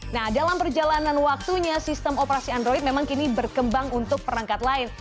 nah dalam perjalanan waktunya sistem operasi android memang kini berkembang untuk perangkat lain